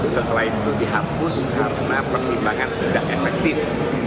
setelah itu dihapus karena pertimbangan tidak efektif